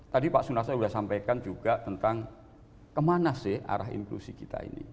tadi pak sunasi sudah sampaikan juga tentang kemana sih arah inklusi kita ini